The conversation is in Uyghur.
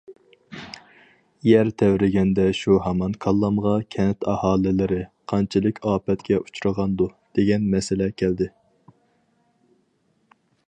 يەر تەۋرىگەندە شۇ ھامان كاللامغا كەنت ئاھالىلىرى قانچىلىك ئاپەتكە ئۇچرىغاندۇ؟ دېگەن مەسىلە كەلدى.